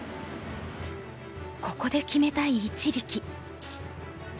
ここで決めたい一力。